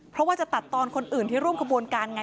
เพราะว่าจะตัดตอนคนอื่นที่ร่วมขบวนการไง